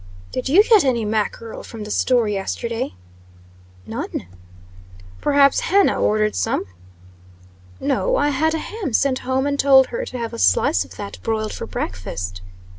"Did you get any mackerel from the store yesterday?" "None." "Perhaps Hannah ordered some?" "No. I had a ham sent home, and told her to have a slice of that broiled for breakfast."